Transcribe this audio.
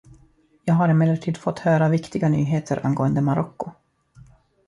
Jag har emellertid fått höra viktiga nyheter angående Marocko.